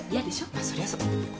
まあそれはそう。